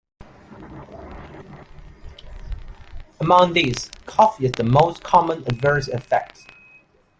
Among these, cough is the most common adverse effect.